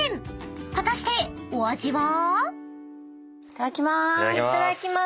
［果たしてお味は？］